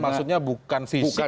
maksudnya bukan fisik